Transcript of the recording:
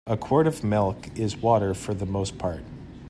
A quart of milk is water for the most part.